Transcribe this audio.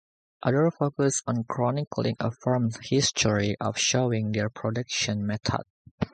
Others focussed on chronicling a firm's history or showing their production methods.